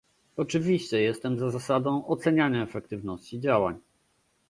Oczywiście jestem za zasadą oceniania efektywności działań